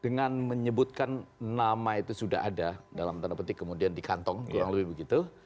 dengan menyebutkan nama itu sudah ada dalam tanda petik kemudian di kantong kurang lebih begitu